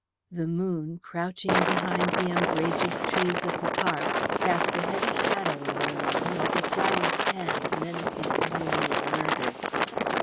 The moon, crouching behind the umbrageous trees of the park, cast a heavy shadow on the lawn, like a giant's hand menacing the home of murder.